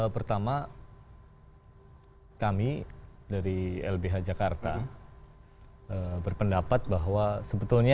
pertama kami dari lbh jakarta berpendapat bahwa sebetulnya